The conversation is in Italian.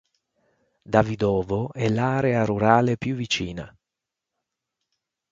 Davydovo è l'area rurale più vicina.